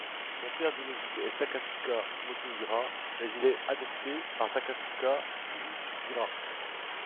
Son père biologique est Takatsukasa Motohira mais il est adopté par Takatsukasa Fuyuhira.